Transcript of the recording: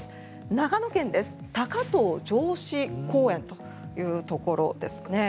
長野県の高遠城址公園というところですね。